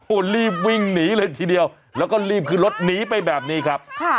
โอ้โหรีบวิ่งหนีเลยทีเดียวแล้วก็รีบขึ้นรถหนีไปแบบนี้ครับ